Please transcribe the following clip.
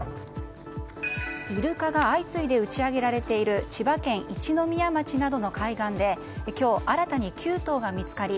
イルカが相次いで打ち揚げられている千葉県一宮町などの海岸で今日新たに９頭が見つかり